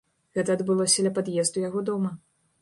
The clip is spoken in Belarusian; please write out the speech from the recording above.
Гэта адбылося ля пад'езду яго дома.